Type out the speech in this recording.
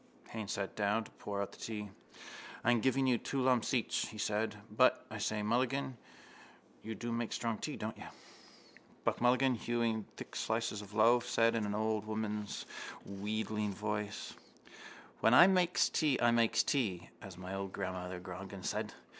_ Haines sat down to pour out the tea. —I'm giving you two lumps each, he said. But, I say, Mulligan, you do make strong tea, don't you? Buck Mulligan, hewing thick slices from the loaf, said in an old woman's wheedling voice: —When I makes tea I makes tea, as old mother Grogan said.